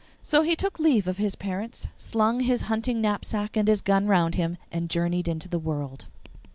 So he took leave of his parents, slung his hunting knapsack and his gun round him, and journeyed into the world.